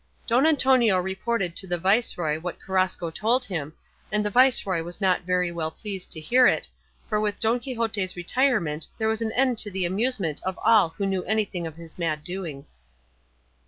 Don Antonio reported to the viceroy what Carrasco told him, and the viceroy was not very well pleased to hear it, for with Don Quixote's retirement there was an end to the amusement of all who knew anything of his mad doings.